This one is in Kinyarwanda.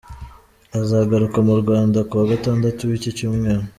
Azagaruka mu Rwanda kuwa gatandatu w’iki cyumweru.